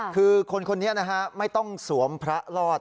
คือคนคนนี้นะฮะไม่ต้องสวมพระรอด